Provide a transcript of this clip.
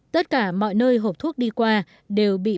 tất cả mọi nơi hộp thuốc đi qua đều bị